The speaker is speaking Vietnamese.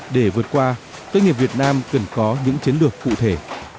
để vượt qua doanh nghiệp việt nam cần có những chiến lược cụ thể